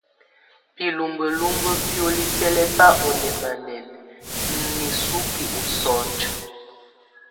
Bilúmbə́lumbə bioli bɛ lɛba ɔ nɛmanɛna nisuki ɔ sunj.